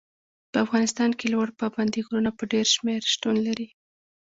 په افغانستان کې لوړ پابندي غرونه په ډېر شمېر شتون لري.